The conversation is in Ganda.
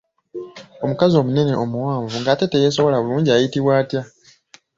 Omukazi omunene omuwanvu nga teyeesobola bulungi ayitibwa atya?